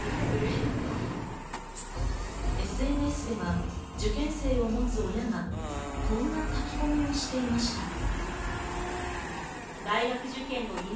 ＳＮＳでは受験生を持つ親がこんな書き込みをしていました。